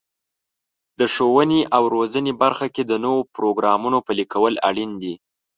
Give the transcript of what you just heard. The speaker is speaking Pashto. د ښوونې او روزنې برخه کې د نوو پروګرامونو پلي کول اړین دي.